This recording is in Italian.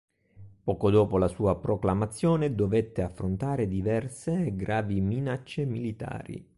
Poco dopo la sua proclamazione dovette affrontare diverse e gravi minacce militari.